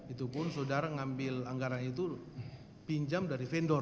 itu pun saudara ngambil anggaran itu pinjam dari vendor